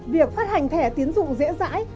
việc phát hành thẻ tiến dụng dễ dãi